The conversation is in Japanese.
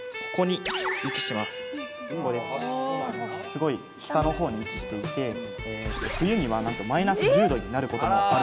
すごい北の方に位置していて冬にはなんとマイナス１０℃になることもあるんです。